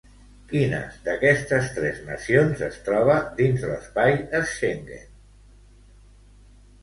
Quines d'aquestes tres nacions es troba dins l'espai Schengen?